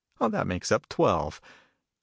That makes up the twelve. Mr.